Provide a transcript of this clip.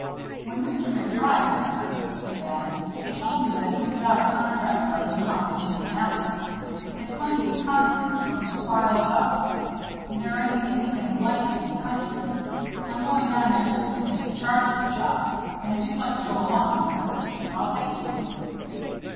"When Mr. MacBride was here," said Bannon, "he told me that we've got a contract for a new house at Indianapolis. It's going to be concrete, from the spiles up there ain't anything like it in the country. I'm going down next week to take charge of the job, and if you'd like to go along as my assistant, I'll take you."